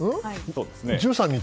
１３日？